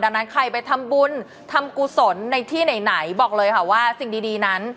ดังนั้นใครไปทำบุญทำกุศลในที่ไหนบอกเลยค่ะว่าสิ่งดีนั้น